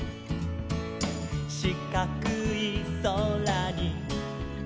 「しかくいそらに」